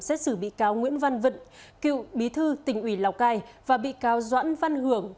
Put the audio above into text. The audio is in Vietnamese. xét xử bị cáo nguyễn văn vận cựu bí thư tỉnh ủy lào cai và bị cáo doãn văn hưởng